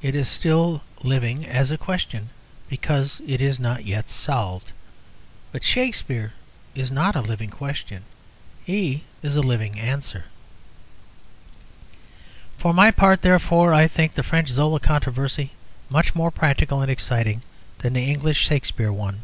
It is still living as a question, because it is not yet solved. But Shakspere is not a living question: he is a living answer. For my part, therefore, I think the French Zola controversy much more practical and exciting than the English Shakspere one.